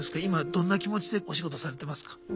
今どんな気持ちでお仕事されてますか？